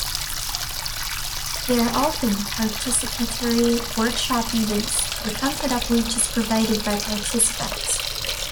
They are open, participatory workshop-events, the content of which is provided by participants.